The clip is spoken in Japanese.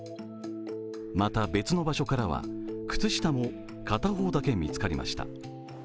また別の場所からは靴下も片方だけ見つかりました。